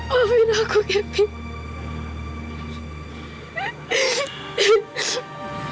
maafin aku kevin